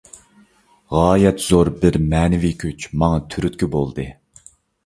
غايەت زور بىر مەنىۋى كۈچ ماڭا تۈرتكە بولدى.